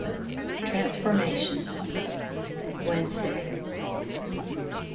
XXVII TRANSFORMATION _Wednesday.